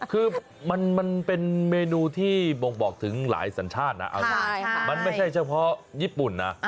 คือมันเป็นเมนูที่บ่งบอกถึงหลายสัญชาตินะมันไม่ใช่เฉพาะญี่ปุ่นนะ